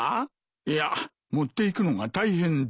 いや持っていくのが大変だ。